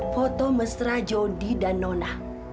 foto mesra jodi dan nona